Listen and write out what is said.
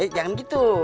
eh jangan gitu